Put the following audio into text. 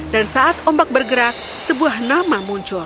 dan saat ombak bergerak sebuah nama muncul